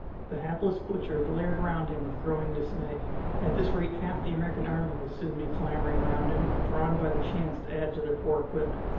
The hapless butcher glared round him with growing dismay. At this rate half the American army would soon be clamoring round him, drawn by the chance to add to their poor equipment.